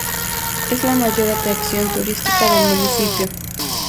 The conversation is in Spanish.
Es la mayor atracción turística del municipio.